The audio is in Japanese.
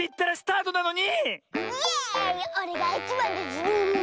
おれがいちばんだズル！